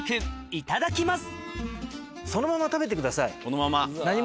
いただきます。